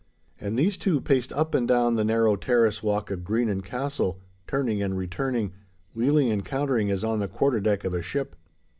And these two paced up and down the narrow terrace walk of Greenan Castle, turning and returning, wheeling and countering as on the quarterdeck of a ship.